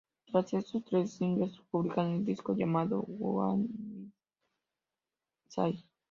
Tras estos tres singles publican el disco llamado: ""What Will the Neighbours Say?